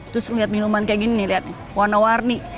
terus lihat minuman kayak gini nih lihat warna warni